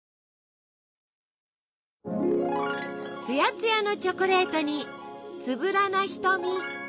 つやつやのチョコレートにつぶらな瞳。